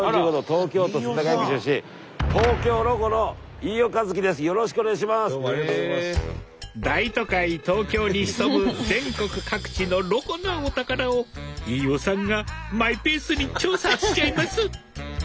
東京に潜む全国各地のロコなお宝を飯尾さんがマイペースに調査しちゃいます